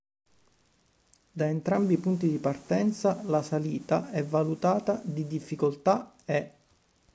Da entrambi i punti di partenza la salita è valutata di difficoltà "E".